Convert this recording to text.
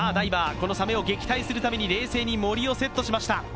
このサメを撃退するために冷静にモリをセットしました。